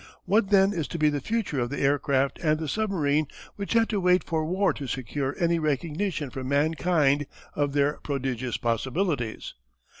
What then is to be the future of the aircraft and the submarine which had to wait for war to secure any recognition from mankind of their prodigious possibilities?